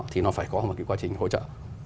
thì nó phải có một cái quá trình hỗ trợ